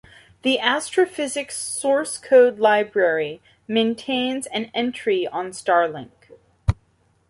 The Astrophysics Source Code Library maintains an entry on Starlink.